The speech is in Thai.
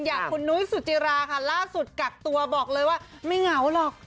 อย่างคุณนุ้ยสุจิราค่ะล่าสุดกักตัวบอกเลยว่าไม่เหงาหรอก